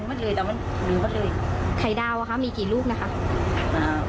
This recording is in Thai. มืดเลยแต่มันหนูก็เลยไข่ดาวอ่ะคะมีกี่ลูกนะคะอ่า